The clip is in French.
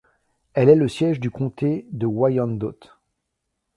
Elle est le siège du comté de Wyandot.